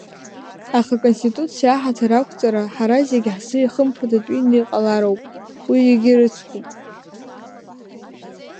Аха Аконституциа аҳаҭыр ақәҵара ҳара зегьы ҳзы ихымԥадатәины иҟалароуп, уи зегьы ирыцкуп.